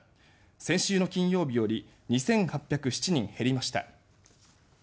先週の金曜日より２８０７人減りました。